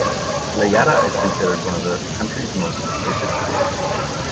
Leyada is considered one of the country's most prestigious high schools.